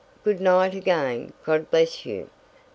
Good night again; God bless you.